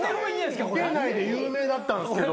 ウケないで有名だったんですけど。